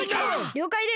りょうかいです。